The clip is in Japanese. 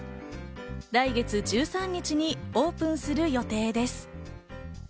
来月１３日にオープンする予定です。